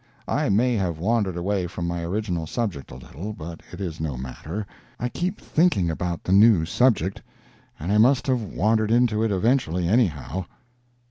I may have wandered away from my original subject a little, but it is no matter—I keep thinking about the new subject, and I must have wandered into it eventually anyhow.